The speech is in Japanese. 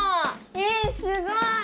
えすごい！